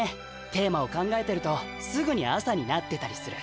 テーマを考えてるとすぐに朝になってたりする。